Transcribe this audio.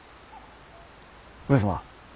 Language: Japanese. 上様。